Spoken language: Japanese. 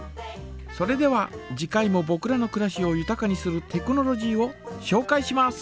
それでは次回もぼくらのくらしをゆたかにするテクノロジーをしょうかいします。